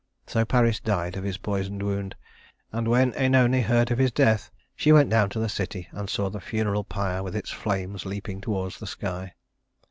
So Paris died of his poisoned wound, and when Œnone heard of his death, she went down to the city and saw the funeral pyre with its flames leaping toward the sky.